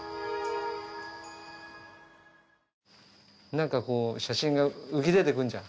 なんかこう写真が浮き出てくんじゃん？